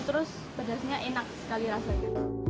terus pedasnya enak sekali rasanya